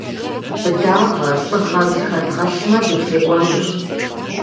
Быдагъэ, лӏыгъэ зыхэдгъэлъмэ, дытекӏуэнущ.